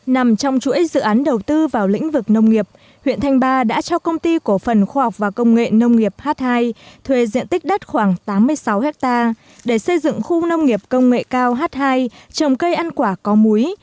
nằm trong chuỗi dự án đầu tư vào lĩnh vực nông nghiệp huyện thanh ba đã cho công ty cổ phần khoa học và công nghệ nông nghiệp h hai thuê diện tích đất khoảng tám mươi sáu hectare để xây dựng khu nông nghiệp công nghệ cao h hai trồng cây ăn quả có múi